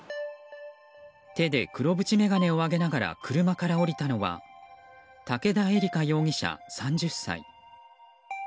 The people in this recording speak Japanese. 手で黒縁眼鏡を上げながら車から降りたのは武田絵理華容疑者、３０歳。